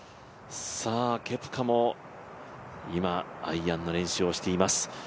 ケプカも今、アイアンの練習をしています。